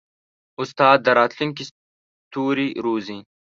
استاد د راتلونکي ستوري روزي.